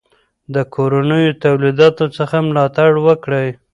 د کورنیو تولیداتو څخه ملاتړ وکړئ.